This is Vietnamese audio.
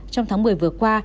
trong tháng một mươi vừa qua